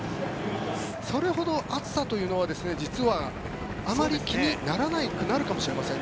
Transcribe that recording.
それほど暑さというのは実はあまり気にならなくなるかもしれません。